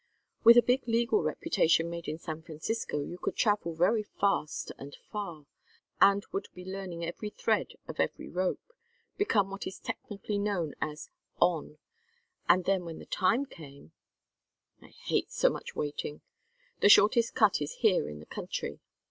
"With a big legal reputation made in San Francisco you could travel very fast and far. And you would be learning every thread of every rope, become what is technically known as 'on'; and then when the time came " "I hate so much waiting! The shortest cut is here in the country.